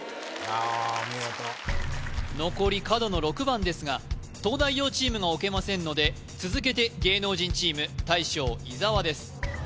あお見事残り角の６番ですが東大王チームが置けませんので続けて芸能人チーム大将・伊沢です